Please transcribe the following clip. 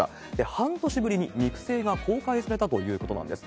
半年ぶりに肉声が公開されたということなんです。